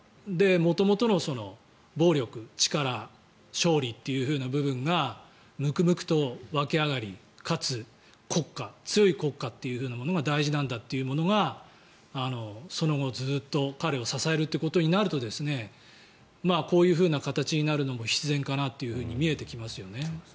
元々の暴力、力、勝利という部分がむくむくと湧き上がりかつ国家、強い国家というものが大事なんだというものがその後ずっと彼を支えるということになるとこういうふうな形になるのも必然かなと見えてきますよね。